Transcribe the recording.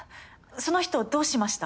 その人どうしました？